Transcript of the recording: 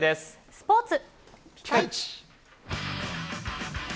スポーツ。